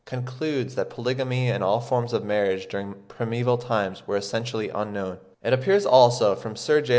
475), concludes that polygamy and all forms of marriage during primeval times were essentially unknown. It appears also, from Sir J.